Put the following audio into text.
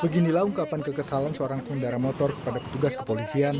beginilah ungkapan kekesalan seorang pengendara motor kepada petugas kepolisian